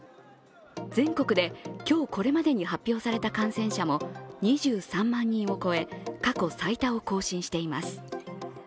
全国で今日、これまでに発表された感染者も２３万人を超え過去最多を更新しています。